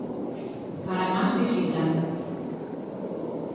Para más visita.